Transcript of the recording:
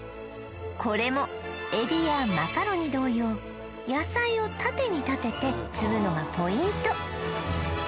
これも海老やマカロニ同様野菜を縦に立てて積むのがポイント